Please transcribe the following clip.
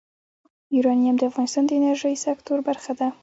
یورانیم د افغانستان د انرژۍ سکتور برخه ده.